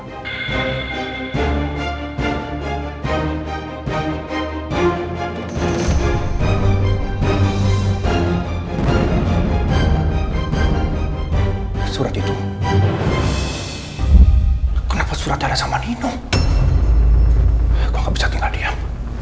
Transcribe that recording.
hai surat itu kenapa suratnya sama nino kok bisa tinggal diam